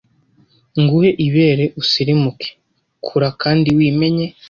Nguhe ibere usirimuke Kura kandi wimenye